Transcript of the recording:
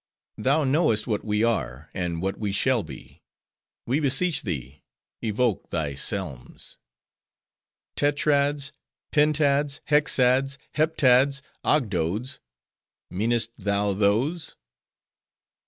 Thou knowest what we are, and what we shall be. We beseech thee, evoke thy Tselmns!" "Tetrads; Pentads; Hexads; Heptads; Ogdoads:—meanest thou those?"